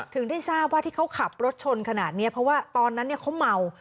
ถึงได้ทราบว่าที่เขาขับรถชนขนาดนี้เพราะว่าตอนนั้นเขาเมา